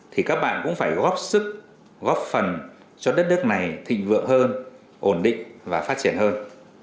thì các bạn cũng phải góp sức góp phần cho đất nước này thịnh vượng hơn ổn định và phát triển hơn